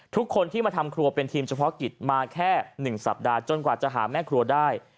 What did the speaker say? ทุกคนที่มาทำครัวเป็นทีมเฉพาะกิจมาแค่๑สัปดาห์จนกว่าจะหาแม่ครัวได้